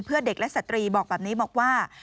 เพื่อเด็กและสตรีบอกแบบนี้บอกว่า